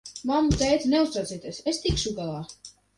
Mammu, tēti, neuztraucieties, es tikšu galā!